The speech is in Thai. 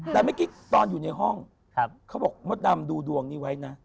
แต่เมื่อกี้ตอนอยู่ในห้องเขาบอกมดดำดูดวงนี้ไว้นะ